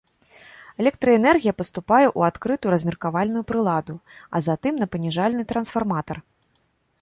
Электраэнергія паступае ў адкрытую размеркавальную прыладу, а затым на паніжальны трансфарматар.